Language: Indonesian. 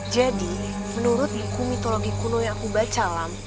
jadi menurut luku mitologi kuno yang aku baca